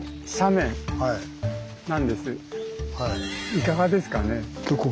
いかがですかね？